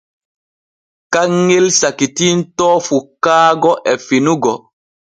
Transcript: Kanŋel sakitintoo fukkaago e finugo.